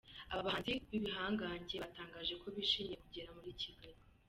Aba bahanzi b’ibihangange batangaje ko bishimiye kugera muri Kigali.